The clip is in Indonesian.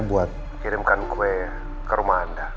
buat kirimkan kue ke rumah anda